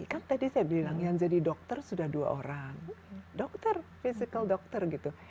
kan tadi saya bilang yang jadi dokter sudah dua orang dokter physical dokter gitu